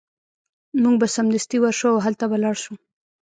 موږ به سمدستي ورشو او هلته به لاړ شو